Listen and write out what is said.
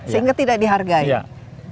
sehingga tidak dihargai